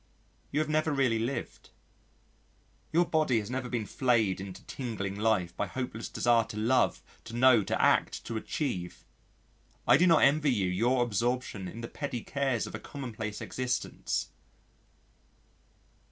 You have never really lived. Your body has never been flayed into tingling life by hopeless desire to love, to know, to act, to achieve. I do not envy you your absorption in the petty cares of a commonplace existence.